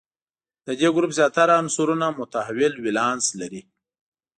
د دې ګروپ زیاتره عنصرونه متحول ولانس لري.